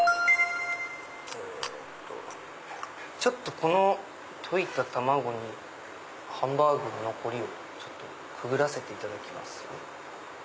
この溶いた卵にハンバーグの残りをくぐらせていただきます。